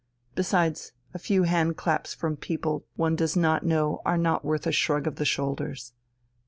Besides, a few hand claps from people one does not know are not worth a shrug of the shoulders.